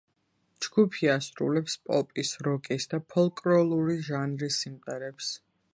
ჯგუფი ასრულებს პოპის, როკის და ფოლკლორული ჟანრის სიმღერებს.